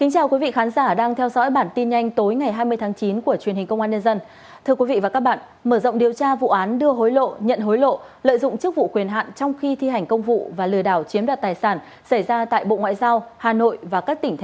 cảm ơn các bạn đã theo dõi